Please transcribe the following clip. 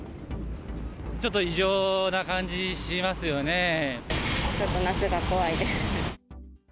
ちょっと異常な感じしますよ夏が怖いです。